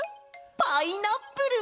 パイナップル！